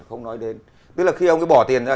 không nói đến tức là khi ông cứ bỏ tiền ra